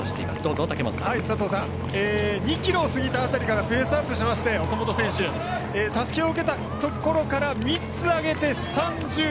２ｋｍを過ぎた辺りからペースアップして岡本選手はたすきを受けたところから３つ上げて、３０位。